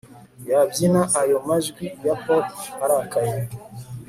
yabyina ayo majwi ya pop arakaye